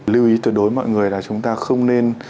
lưu ý tuyệt đối mọi người là chúng ta không nên